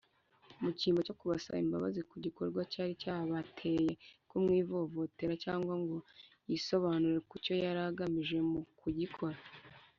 Mu cyimbo cyo kubasaba imbabazi ku gikorwa cyari cyabateye kumwivovotera cyangwa ngo yisobanure ku cyo yari agamije mu kugikora,